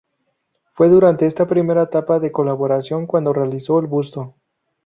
Fue durante esta primer etapa de colaboración cuando realizó el busto.